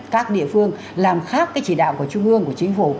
các địa phương làm khác cái chỉ đạo của trung ương của chính phủ